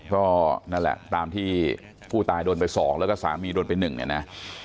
ก็นั่นแหละตามที่ผู้ตายโดนไป๒แล้วก็สามีโดนไป๑เนี่ยนะ